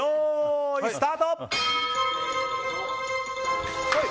スタート！